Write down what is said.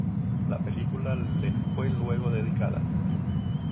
La película le fue luego dedicada.